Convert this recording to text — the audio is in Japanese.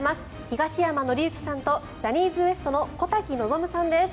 東山紀之さんとジャニーズＷＥＳＴの小瀧望さんです。